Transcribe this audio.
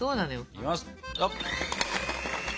いきます！